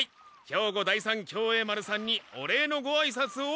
兵庫第三協栄丸さんにお礼のごあいさつを。